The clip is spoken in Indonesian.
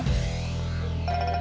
saya akan hubungi siapa